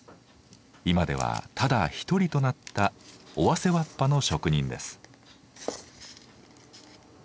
今ではただ一人となった尾鷲わっぱの職人です。